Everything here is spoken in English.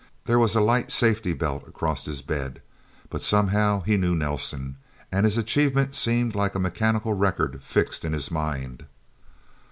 There was a light safety belt across his bed. But somehow he knew Nelsen. And his achievement seemed like a mechanical record fixed in his mind.